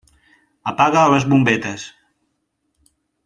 Apaga les bombetes.